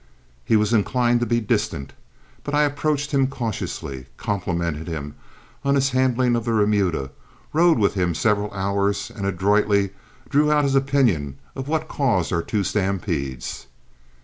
He was inclined to be distant, but I approached him cautiously, complimented him on his handling of the remuda, rode with him several hours, and adroitly drew out his opinion of what caused our two stampedes.